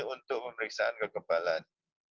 untuk pemeriksaan kekebalan